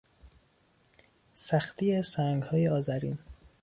سختی سنگهای آذرین